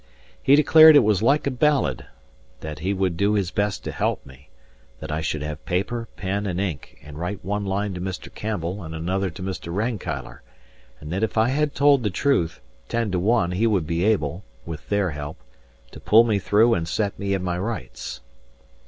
He declared it was like a ballad; that he would do his best to help me; that I should have paper, pen, and ink, and write one line to Mr. Campbell and another to Mr. Rankeillor; and that if I had told the truth, ten to one he would be able (with their help) to pull me through and set me in my rights.